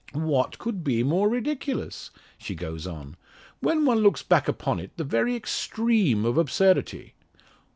"What could be more ridiculous?" she goes on. "When one looks back upon it, the very extreme of absurdity.